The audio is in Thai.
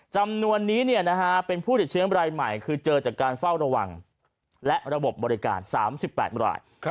จำนวนนี้เป็นผู้ติดเชื้อรายใหม่คือเจอจากการเฝ้าระวังและระบบบบริการ๓๘ราย